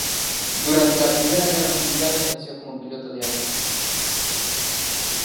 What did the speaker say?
Durante la Primera Guerra Mundial ejerció como piloto de avión.